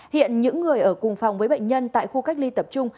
hiện những người ở cùng phòng với bệnh nhân tại khu cách ly tập trung